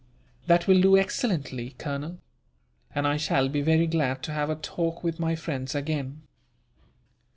"That will do excellently, Colonel; and I shall be very glad to have a talk with my friends again."